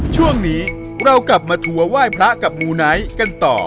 ช่วงนี้เรากลับมาทัวร์ไหว้พระกับมูไนท์กันต่อ